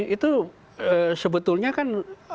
itu sebetulnya kan